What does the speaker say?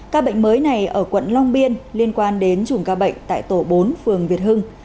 các bệnh mới này ở quận long biên liên quan đến chùm ca bệnh tại tổ bốn phường việt hưng